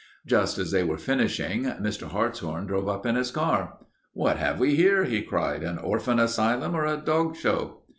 Just as they were finishing, Mr. Hartshorn drove up in his car. "What have we here?" he cried. "An orphan asylum or a dog show?"